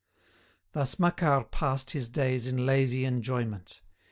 Thus Macquart passed his days in lazy enjoyment.